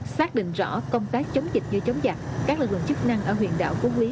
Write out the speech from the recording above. xác định rõ công tác chống dịch như chống giặc các lực lượng chức năng ở huyện đảo phú quý